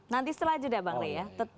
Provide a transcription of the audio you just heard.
nanti setelah jeda bang rey ya